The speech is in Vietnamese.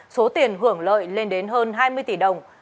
số tiền hưởng lợi lên đến hơn hai mươi tỷ đồng